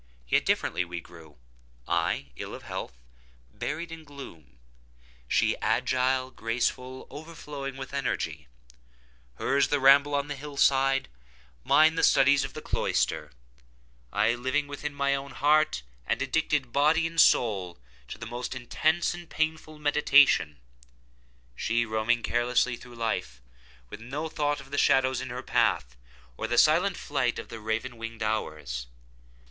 Yet differently we grew—I, ill of health, and buried in gloom—she, agile, graceful, and overflowing with energy; hers, the ramble on the hill side—mine the studies of the cloister; I, living within my own heart, and addicted, body and soul, to the most intense and painful meditation—she, roaming carelessly through life, with no thought of the shadows in her path, or the silent flight of the raven winged hours.